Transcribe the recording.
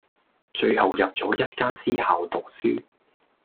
最後入咗一間私校讀書⠀